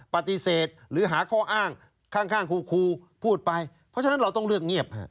ปฏิเสธหรือหาข้ออ้างข้างครูพูดไปเพราะฉะนั้นเราต้องเลือกเงียบ